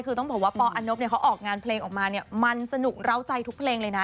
คือต้องบอกว่าปอนบเนี่ยเขาออกงานเพลงออกมาเนี่ยมันสนุกเล่าใจทุกเพลงเลยนะ